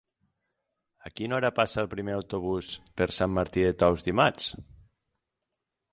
A quina hora passa el primer autobús per Sant Martí de Tous dimarts?